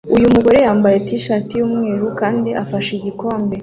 Uyu mugore yambaye t-shirt yumweru kandi afashe igikombe